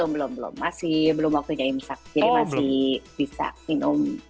belum belum masih belum waktunya imsak jadi masih bisa minum